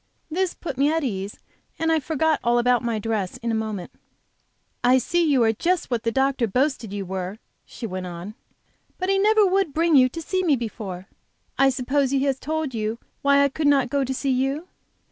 This put me at ease, and I forgot all about my dress in a moment. "I see you are just what the doctor boasted you were," she went on. "But he never would bring you to see me before. I suppose he has told you why I could not go to see you?"